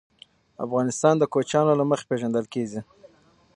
افغانستان د کوچیانو له مخې پېژندل کېږي.